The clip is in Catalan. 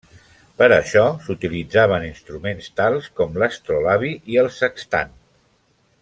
Per a això s'utilitzaven instruments tals com l'astrolabi i el sextant.